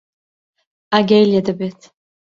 ئاگای لێ دەبێت.